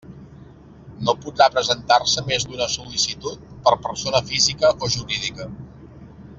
No podrà presentar-se més d'una sol·licitud per persona física o jurídica.